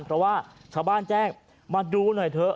เพราะว่าชาวบ้านแจ้งมาดูหน่อยเถอะ